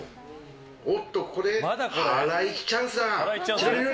おっと、ここでハライチチャンスだ！